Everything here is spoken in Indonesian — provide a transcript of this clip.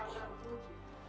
berdoa kepada tuan ma